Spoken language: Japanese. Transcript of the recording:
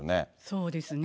そうですね。